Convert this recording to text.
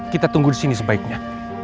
kita tunggu disini sebaiknya